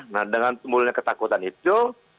nah dengan timbulnya ketakutan itu